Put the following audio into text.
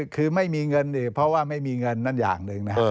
คือไม่มีเงินนี่เพราะว่าไม่มีเงินนั่นอย่างหนึ่งนะ